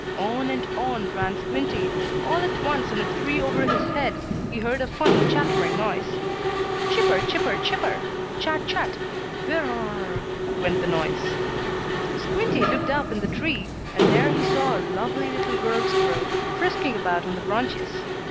On and on ran Squinty. All at once, in a tree over his head, he heard a funny chattering noise. "Chipper, chipper, chipper! Chat! Chat! Whir r r r r !" went the noise. Squinty looked up in the tree, and there he saw a lovely little girl squirrel, frisking about on the branches.